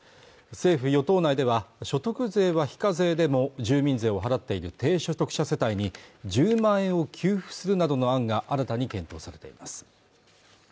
政府・与党内では所得税は非課税でも住民税を払っている低所得者世帯に１０万円を給付するなどの案が新たに検討されています